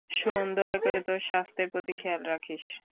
শোন, দয়া করে তোর স্বাস্থ্যের প্রতি খেয়াল রাখিস।